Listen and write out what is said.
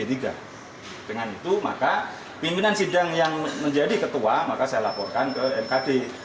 dengan itu maka pimpinan sidang yang menjadi ketua maka saya laporkan ke mkd